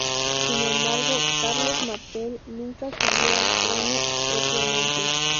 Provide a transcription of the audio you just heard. Sin embargo Carlos Martel nunca subió al trono propiamente.